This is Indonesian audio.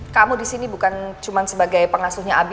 kamu disini bukan cuma sebagai pengasuhnya abi